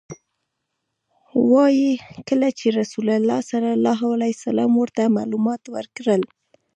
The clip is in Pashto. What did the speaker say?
وایي کله چې رسول الله صلی الله علیه وسلم ورته معلومات ورکړل.